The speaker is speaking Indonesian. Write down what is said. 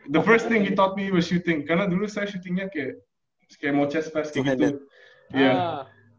the first thing he taught me was syuting karena dulu saya syutingnya kayak mau chest fast kayak gitu